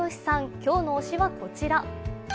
今日の推しはこちら。